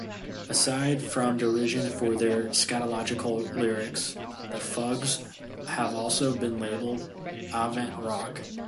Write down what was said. Aside from derision for their "scatological" lyrics, the Fugs have also been labeled "avant-rock.